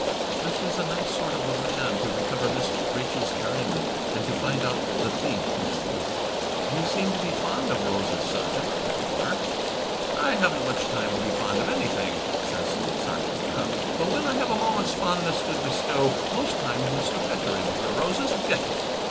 This was a nice sort of a man to recover Miss Rachel's Diamond, and to find out the thief who stole it! "You seem to be fond of roses, Sergeant?" I remarked. " I haven't much time to be fond of anything," says Sergeant Cuff. "But, when I have a moment's fondness to bestow, most times, Mr. Betteredge, the roses get it.